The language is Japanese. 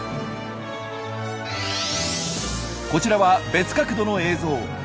こちらは別角度の映像。